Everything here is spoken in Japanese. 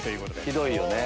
ひどいよね。